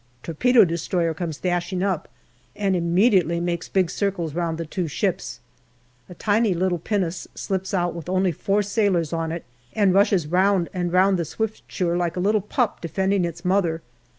Torpedo destroyer comes dashing up, and immediately makes big circles round the two ships. A tiny little pinnace slips out with only four sailors on it, and rushes round and round the Swiftsure like a little pup defending its mother.